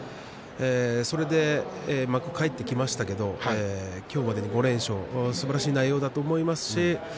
それで幕に帰ってきましたが今日まで５連勝すばらしい内容だと思いますしね。